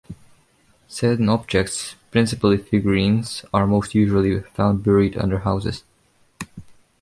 Certain objects, principally figurines, are most usually found buried under houses.